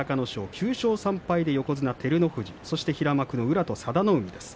９勝３敗で横綱照ノ富士そして平幕の宇良と佐田の海です。